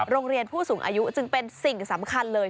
โรงเรียนผู้สูงอายุจึงเป็นสิ่งสำคัญเลย